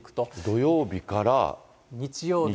土曜日から。